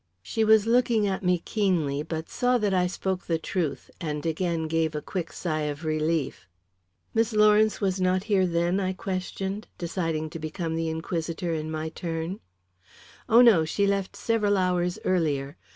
She was looking at me keenly, but saw that I spoke the truth and again gave a quick sigh of relief. "Miss Lawrence was not here then?" I questioned, deciding to become the inquisitor in my turn. "Oh, no; she had left several hours earlier.